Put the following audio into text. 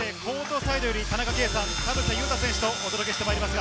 田中圭さん、田臥勇太選手と、お届けしてまいります。